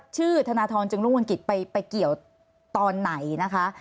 ธนทรจึงรุ่งวงกิจไปเกี่ยวตอนไหนนะคะ